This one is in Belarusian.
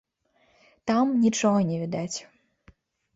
Там нічога не відаць.